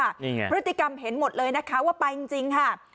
นี่ไงพฤติกรรมเห็นหมดเลยนะคะว่าไปจริงค่ะ